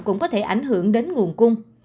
cũng có thể ảnh hưởng đến nguồn cung